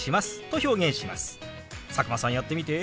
佐久間さんやってみて。